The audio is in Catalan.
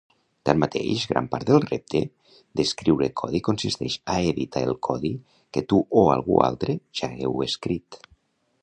Tanmateix, gran part del repte d'escriure codi consisteix a editar el codi que tu o algú altre ja heu escrit.